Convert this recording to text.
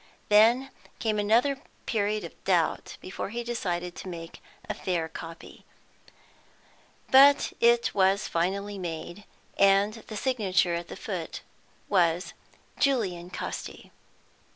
Then came another period of doubt before he decided to make a fair copy. But it was finally made, and the signature at the foot was: Julian Casti.